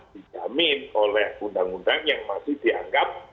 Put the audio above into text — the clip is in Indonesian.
dijamin oleh undang undang yang masih dianggap